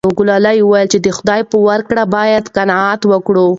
ګلالۍ وویل چې د خدای په ورکړه باید قناعت وکړو.